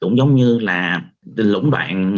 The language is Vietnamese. giống như là lũng đoạn